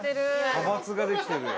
派閥ができてるよ。